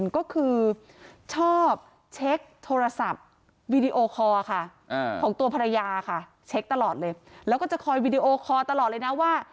คอค่ะอ่าของตัวภรรยาค่ะเช็คตลอดเลยแล้วก็จะคอยวิดีโอคอตลอดเลยน่ะว่า